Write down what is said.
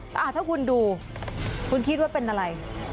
แต่ถ้าคุณดูคุณคิดว่าเป็นอะไร